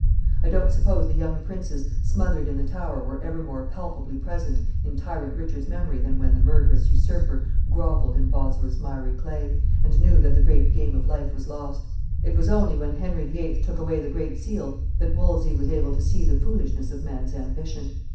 I don't suppose the young princes smothered in the Tower were ever more palpably present in Tyrant Richard's memory than when the murderous usurper grovelled in Bosworth's miry clay, and knew that the great game of life was lost. It was only when Henry the Eighth took away the Great Seal that Wolsey was able to see the foolishness of man's ambition.